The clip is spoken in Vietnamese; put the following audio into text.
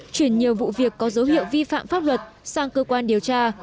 chuyển nhiều vụ việc có dấu hiệu vi phạm pháp luật sang cơ quan điều tra